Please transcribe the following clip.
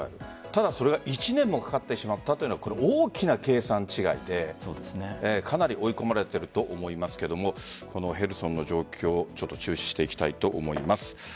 ただ、１年もかかってしまったというのは大きな計算違いでかなり追い込まれていると思いますがこのヘルソンの状況注視していきたいと思います。